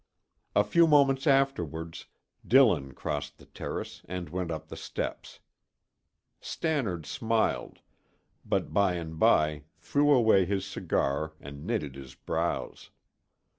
A few moments afterwards, Dillon crossed the terrace and went up the steps. Stannard smiled, but by and by threw away his cigar and knitted his brows.